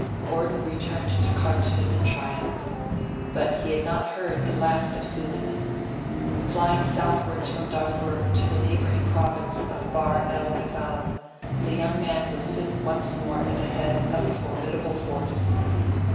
Gordon returned to Khartoum in triumph. But he had not heard the last of Suleiman. Flying southwards from Darfur to the neighbouring province of Bahr el Ghazal, the young man was soon once more at the head of a formidable force.